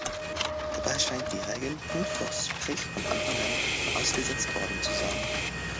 Dabei scheint die Regel „Punkt vor Strich“ von Anfang an vorausgesetzt worden zu sein.